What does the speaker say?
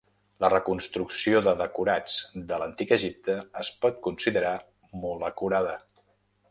La reconstrucció de decorats de l’antic Egipte es pot considerar molt acurada.